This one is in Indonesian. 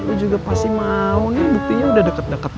gue juga pasti mau nih buktinya udah deket dua gitu